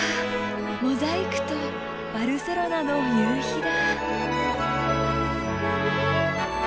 モザイクとバルセロナの夕日だ！